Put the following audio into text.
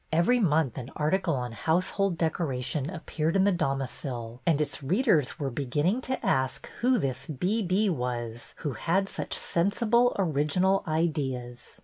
Every month an article on household decoration appeared in The Domicile, and its readers were beginning to ask who this B. B." was who had such sensible original ideas.